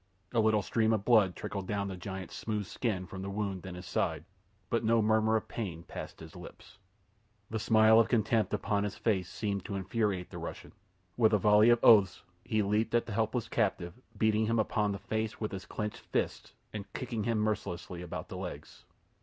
A little stream of blood trickled down the giant's smooth skin from the wound in his side; but no murmur of pain passed his lips. The smile of contempt upon his face seemed to infuriate the Russian. With a volley of oaths he leaped at the helpless captive, beating him upon the face with his clenched fists and kicking him mercilessly about the legs.